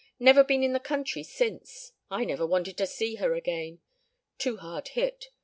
Never been in the country since. I never wanted to see her again. Too hard hit.